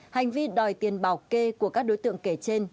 hành vi đòi tiền bào kê của các đối tượng kể trên